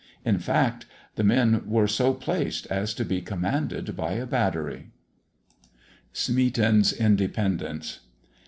In fact, the men were so placed as to be commanded by a battery. SMEATON'S INDEPENDENCE.